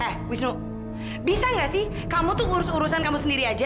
eh wisnu bisa gak sih kamu tuh urus urusan kamu sendiri aja